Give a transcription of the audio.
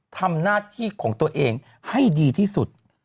ทำหน้าที่ของตัวเองให้ดีที่สุด